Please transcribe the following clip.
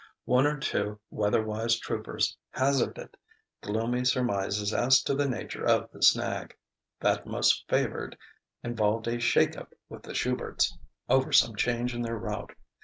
One or two weather wise "troupers" hazarded gloomy surmises as to the nature of the "snag": that most favoured involved a "shake up with the Shuberts" over some change in their route.